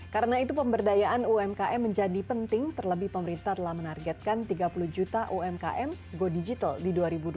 karena itu pemberdayaan umkm menjadi penting terlebih pemerintah telah menargetkan tiga puluh juta umkm go digital di dua ribu dua puluh empat